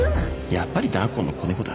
やっぱりダー子の子猫だ。